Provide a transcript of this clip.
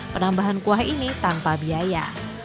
penambahan kuah ini tanpa biaya